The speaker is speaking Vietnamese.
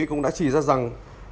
cũng đã chỉ ra rằng